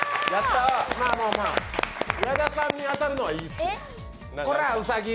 矢田さんに当たるのはいいです、コラ、うさぎ！